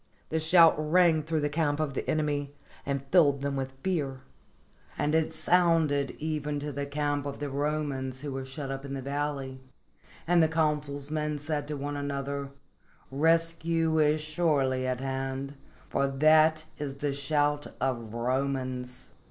The shout rang through the camp of the enemy and filled them with fear; and it sounded even to the camp of the Romans who were shut up in the valley, and the consul's men said to one another, "Rescue is surely at hand, for that is the shout of Romans."